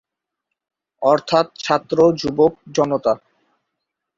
অর্থাৎ ছাত্র-যুবক-জনতা।